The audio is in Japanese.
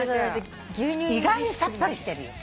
意外にさっぱりしてるよ。